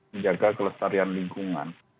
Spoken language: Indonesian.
menjaga kelestarian lingkungan